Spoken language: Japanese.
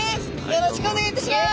よろしくお願いします。